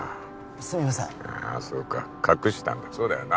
すみませんそうか隠したんだそうだよな